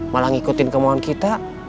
malah ngikutin kemohon kita